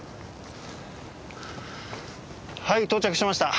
はい到着しました。